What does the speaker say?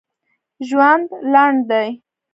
ژوند لنډ دی